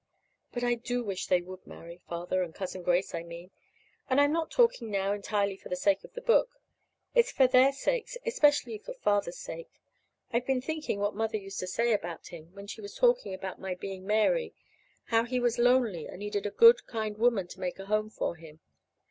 But I do wish they would marry Father and Cousin Grace, I mean. And I'm not talking now entirely for the sake of the book. It's for their sakes especially for Father's sake. I've been thinking what Mother used to say about him, when she was talking about my being Mary how he was lonely, and needed a good, kind woman to make a home for him.